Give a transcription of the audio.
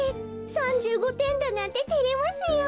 ３５てんだなんててれますよ。